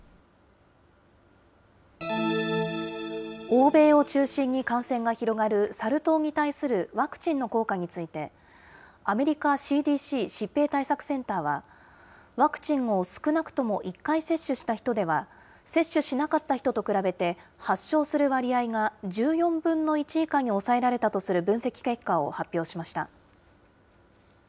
欧米を中心に感染が広がるサル痘に対するワクチンの効果について、アメリカＣＤＣ・疾病対策センターは、ワクチンを少なくとも１回接種した人では、接種しなかった人と比べて発症する割合が１４分の１以下に抑えられたとする分析結果を発表しました。